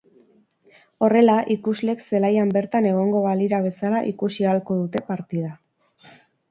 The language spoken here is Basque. Horrela, ikusleek zelaian bertan egongo balira bezala ikusi ahalko dute partida.